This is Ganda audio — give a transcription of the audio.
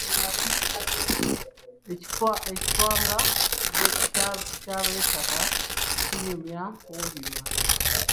Ekikwanga ky'abettaka tekinyuma kuwulira.